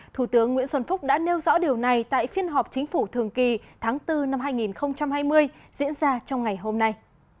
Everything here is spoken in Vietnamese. thủ tướng nguyễn xuân phúc đã nêu rõ điều này tại phiên họp chính phủ thường kỳ tháng bốn năm hai nghìn hai mươi diễn ra trong ngày hôm nay